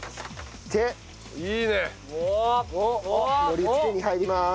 盛りつけに入ります。